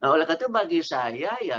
oleh karena itu bagi saya ya